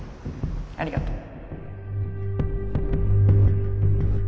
ありがとう。